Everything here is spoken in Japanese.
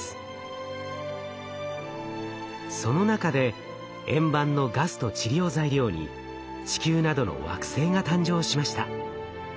その中で円盤のガスとちりを材料に地球などの惑星が誕生しました。